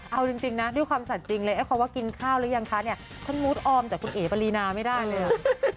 เอาจริงนะด้วยความสั่นจริงเลยเขาว่ากินข้าวหรือยังคะเนี่ยฉันมูธออมจากคุณเอ๋ปรีนาไม่ได้เลยอ่ะ